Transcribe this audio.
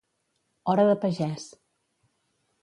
Hora de pagès.